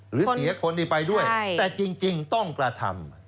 หรือเสียคนที่ไปด้วยแต่จริงต้องกระทำ